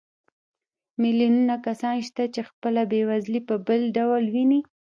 میلیونونه کسان شته چې خپله بېوزلي په بل ډول ویني